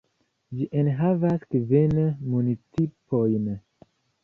Ĝi enhavas kvin municipojn.